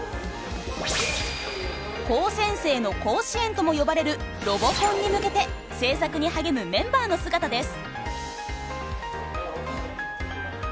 「高専生の甲子園」とも呼ばれるロボコンに向けて製作に励むメンバーの姿です。